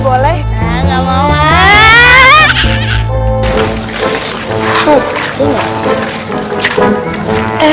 bantu kresek juga boleh